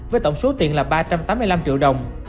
với tổng số tiền là ba trăm tám mươi năm triệu đồng